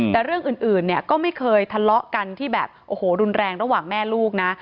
แต่เรื่องอื่นเนี่ยก็ไม่เคยทะเลาะกันที่แบบโอ้โหรุนแรงระหว่างแม่ลูกนะ